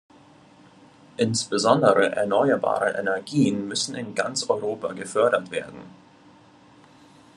Insbesondere erneuerbare Energien müssen in ganz Europa gefördert werden.